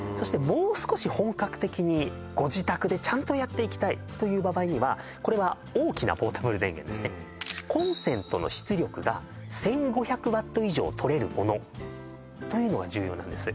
もう少し本格的にご自宅でちゃんとやっていきたいという場合にはこれは大きなポータブル電源ですねコンセントの出力が１５００ワット以上とれるものというのが重要なんです